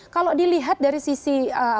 kalau dilihat dari sisi